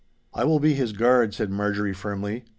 'I will be his guard!' said Marjorie, firmly.